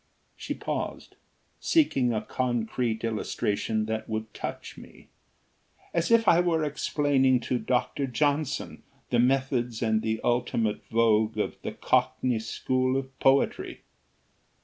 She paused, seeking a concrete illustration that would touch me. "As if I were explaining to Dr. Johnson the methods and the ultimate vogue of the cockney school of poetry."